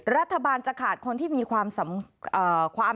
รัฐบาลจะขาดคนที่มีความ